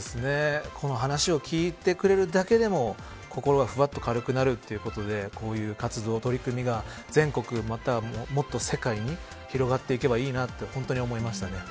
この話を聞いてくれるだけでも心がふわっと軽くなるということでこういう活動、取り組みが全国、またはもっと世界に広がっていけばいいなと思いました。